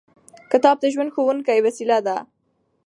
کتاب د ژوند ښوونکې وسیله ده.